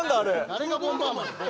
誰がボンバーマン